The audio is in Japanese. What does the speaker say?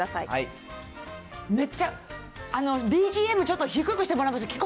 めっちゃ、あの、ＢＧＭちょっと低くしてもらえます？